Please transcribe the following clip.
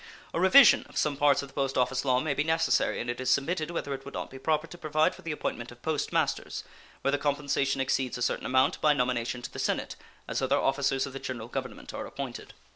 A revision of some parts of the post office law may be necessary; and it is submitted whether it would not be proper to provide for the appointment of post masters, where the compensation exceeds a certain amount, by nomination to the Senate, as other officers of the General Government are appointed.